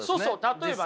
例えばね